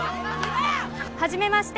初めまして。